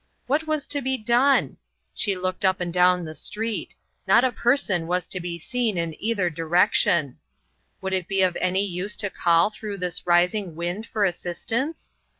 What was to be done ? She looked up and down the street ; not a person was to be seen in either direc tion. Would it be of any use to call through this rising wind for assistance?